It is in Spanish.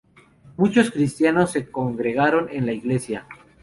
Muchos cristianos se congregaron en la iglesia.